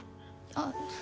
あっ。